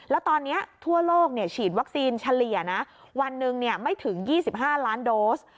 แล้วตอนนี้ทั่วโลกฉีดวัคซีนเฉลี่ยนะวันหนึ่งไม่ถึง๒๕ล้านโดส